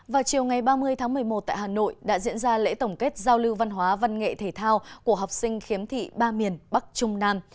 vào chiều ngày ba mươi tháng một mươi một tại hà nội đã diễn ra lễ tổng kết giao lưu văn hóa văn nghệ thể thao của học sinh khiếm thị ba miền bắc trung nam